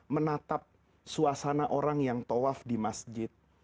menatap suasana orang yang tawaf di masjid